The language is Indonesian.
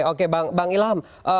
oke bang ilham